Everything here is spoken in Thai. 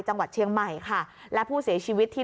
จังหวัดเชียงใหม่ค่ะและผู้เสียชีวิตที่